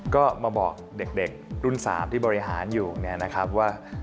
ก็มาบอกเด็กรุ่น๓ที่บริหารอยู่เนี่ยนะครับว่า